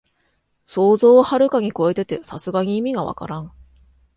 想像をはるかにこえてて、さすがに意味がわからん